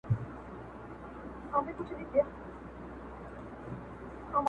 چي زه وگورمه مورته او دا ماته!.